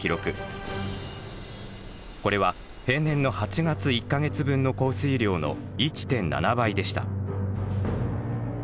これは平年の８月１か月分の降水量の１．７倍でした。